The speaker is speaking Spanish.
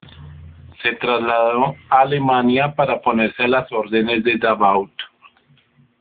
Se trasladó a Alemania para ponerse a las órdenes de Davout.